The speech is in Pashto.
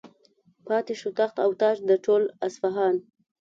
پاتې شو تخت و تاج د ټول اصفهان.